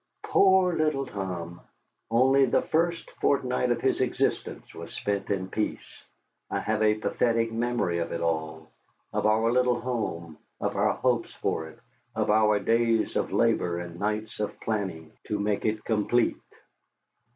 Poor little Tom! Only the first fortnight of his existence was spent in peace. I have a pathetic memory of it all of our little home, of our hopes for it, of our days of labor and nights of planning to make it complete.